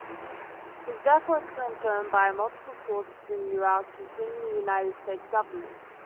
His death was confirmed by multiple sources in Iraq, including the United States government.